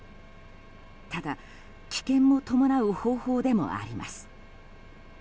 ただ、危険も伴う方法でもあります。